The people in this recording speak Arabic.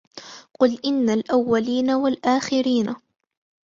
قُلْ إِنَّ الأَوَّلِينَ وَالآخِرِينَ